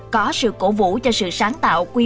có sự cổ vũ cho sự sáng tạo